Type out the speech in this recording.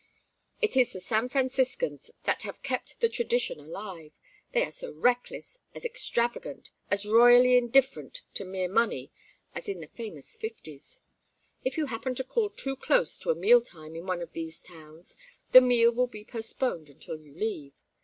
It is the San Franciscans that have kept the tradition alive; they are as reckless, as extravagant, as royally indifferent to mere money as in the famous Fifties. If you happen to call too close to a meal time in one of these towns, the meal will be postponed until you leave.